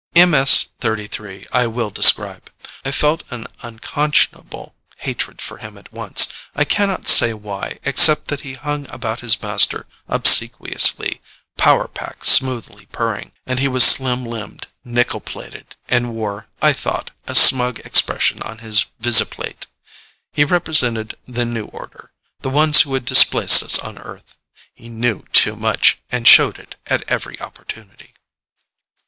MS 33 I will describe. I felt an unconscionable hatred for him at once. I can not say why, except that he hung about his master obsequiously, power pack smoothly purring, and he was slim limbed, nickel plated, and wore, I thought, a smug expression on his viziplate. He represented the new order; the ones who had displaced us on Earth. He knew too much, and showed it at every opportunity.